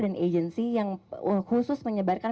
dan agency yang khusus menyebarkan